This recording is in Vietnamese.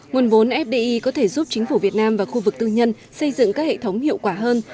nguồn vốn fdi có thể giúp chính phủ việt nam và khu vực tư nhân xây dựng các hệ thống hiệu quả hơn